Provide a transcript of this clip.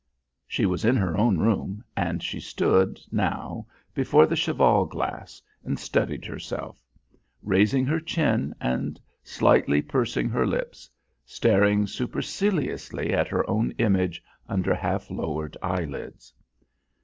She was in her own room, and she stood, now, before the cheval glass and studied herself; raising her chin and slightly pursing her lips, staring superciliously at her own image under half lowered eyelids.